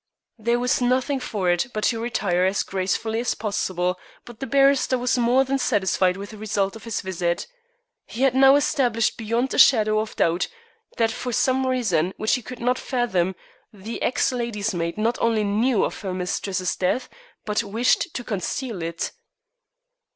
There was nothing for it but to retire as gracefully as possible, but the barrister was more than satisfied with the result of his visit. He had now established beyond a shadow of doubt that for some reason which he could not fathom the ex lady's maid not only knew of her mistress's death, but wished to conceal it.